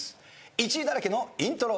１位だらけのイントロ。